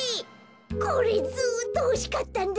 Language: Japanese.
これずっとほしかったんだ。